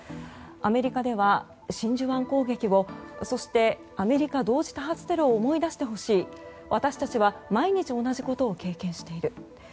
アメリカでは真珠湾攻撃をそして、アメリカ同時多発テロを思い出してほしい私たちは毎日同じことを経験している。